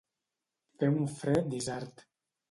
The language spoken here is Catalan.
Fer un fred d'isard.